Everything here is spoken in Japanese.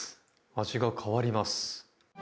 味が変わります。